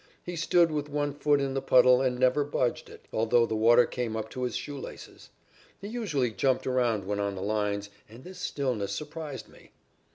He stood with one foot in the puddle and never budged it, although the water came up to his shoe laces. He usually jumped around when on the lines, and this stillness surprised me.